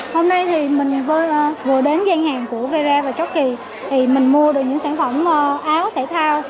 hôm nay mình vừa đến gian hàng của vera và chucky mình mua được những sản phẩm áo thể thao